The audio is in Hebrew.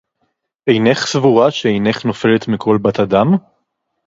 אֵינֵךְ סְבוּרָה שֶׁאֵינֵךְ נוֹפֶלֶת מִכָּל בַּת אָדָם?